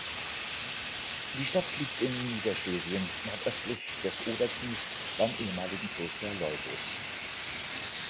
Die Stadt liegt in Niederschlesien nordöstlich des Oder-Knies beim ehemaligen Kloster Leubus.